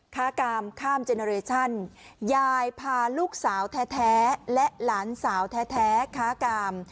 ค้ากามข้ามเจเนอเรชั่นยายพาลูกสาวแท้และหลานสาวแท้ค้ากาม